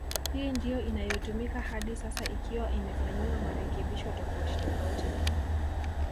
Hii ndio inayotumika hadi sasa ikiwa imefanyiwa marekebisho tofauti tofauti